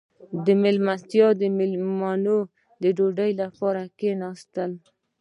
• د میلمستیا مېلمانه د ډوډۍ لپاره کښېناستل.